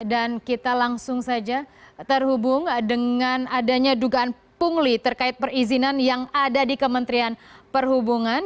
dan kita langsung saja terhubung dengan adanya dugaan pungli terkait perizinan yang ada di kementerian perhubungan